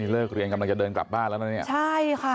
เลิกเรียนกำลังจะเดินกลับบ้านแล้วนะเนี่ยใช่ค่ะ